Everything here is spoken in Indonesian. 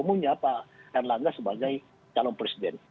pertama pak erlangga sebagai talung presiden